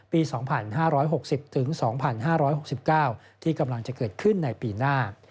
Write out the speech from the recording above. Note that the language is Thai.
ปี๒๕๖๐๒๕๖๙ที่กำลังจะเกิดขึ้นในปีหน้า